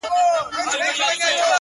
زه خو یارانو نامعلوم آدرس ته ودرېدم ـ